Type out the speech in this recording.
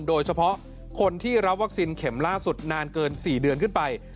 โดยเฉพาะคนที่รับวัคซีนเข็มล่าสุดนานเกิน๔เดือนขึ้นไป